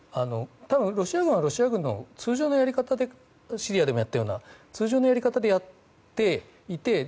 多分、ロシア軍はロシア軍の通常のやり方でシリアでもやったような通常のやり方でやっていて。